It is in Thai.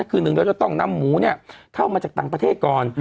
คือหนึ่งเราจะต้องนำหมูเข้ามาจากต่างประเทศก่อน